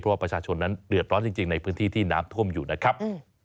เพราะว่าประชาชนนั้นเดือดร้อนจริงในพื้นที่ที่น้ำท่วมอยู่นะครับ